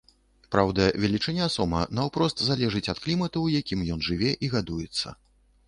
Праўда, велічыня сома наўпрост залежыць ад клімату, у якім ён жыве і гадуецца.